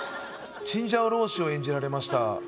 チンジャオ老師を演じられました